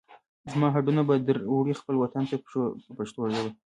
زما هډونه به در وړئ خپل وطن ته په پښتو ژبه.